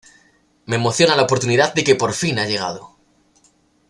Me emociona la oportunidad de que por fin ha llegado".